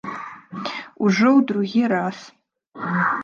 Ужо ў другі раз.